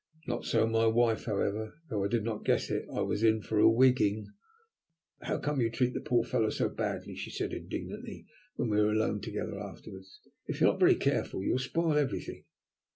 Not so my wife, however; though I did not guess it, I was in for a wigging. "How could you treat the poor fellow so badly?" she said indignantly, when we were alone together afterwards. "If you are not very careful you'll spoil everything."